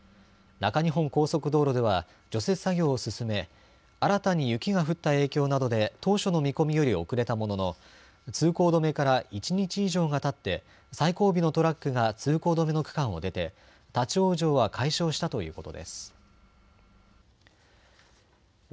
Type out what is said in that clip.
中日本高速道路では除雪作業を進め新たに雪が降った影響などで当初の見込みより遅れたものの通行止めから一日以上がたって最後尾のトラックが通行止めの区間を出て、立往生は解消したということです。